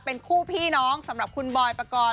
เป็นคู่พี่น้องสำหรับคุณบอยปกรณ์